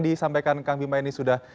disampaikan kang bima ini sudah